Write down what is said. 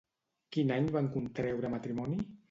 Quin any van contreure matrimoni?